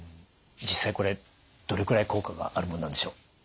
実際これどれくらい効果があるもんなんでしょう？